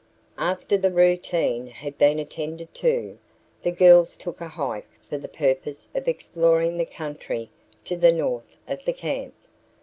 After the routine had been attended to, the girls took a hike for the purpose of exploring the country to the north of their camp.